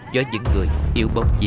do những người yêu bông chía